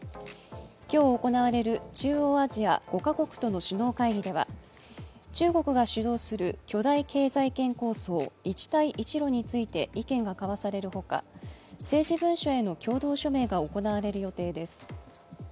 今日行われる中央アジア５か国との首脳会議では中国が主導する巨大経済圏構想一帯一路について意見が交わされるほか、政治文書への共同署名が行われる予定です。